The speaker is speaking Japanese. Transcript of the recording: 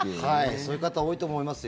そういう方多いと思いますよ。